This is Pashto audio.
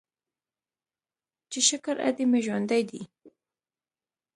چې شکر ادې مې ژوندۍ ده.